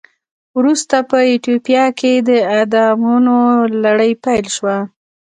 ورسته په ایتوپیا کې د اعدامونو لړۍ پیل شوه.